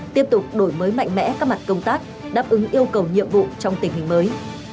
tiếp tục đổi mới mạnh mẽ các mặt công tác đáp ứng yêu cầu nhiệm vụ trong tình hình mới